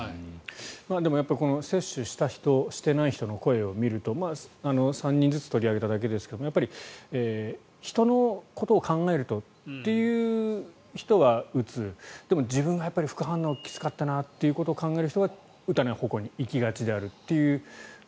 でも、接種した人していない人の声を見ると３人ずつ取り上げただけですが人のことを考えるとという人は打つでも自分は副反応きつかったなと考えると打たない方向に行きがちであるという。